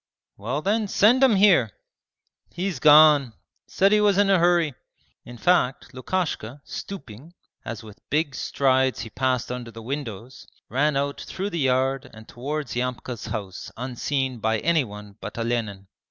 'Well then send him here!' 'He's gone; said he was in a hurry.' In fact, Lukashka, stooping, as with big strides he passed under the windows, ran out through the yard and towards Yamka's house unseen by anyone but Olenin.